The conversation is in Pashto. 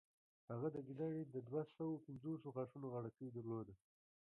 هغه د ګیدړې د دوهسوو پنځوسو غاښونو غاړکۍ درلوده.